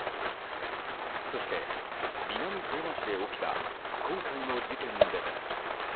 そして、南相馬市で起きた今回の事件でも。